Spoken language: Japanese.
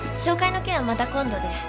紹介の件はまた今度で。